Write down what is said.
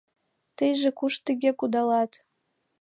Тыйже куш тыге кудалат?